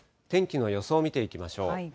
天気の予想見ていきましょう。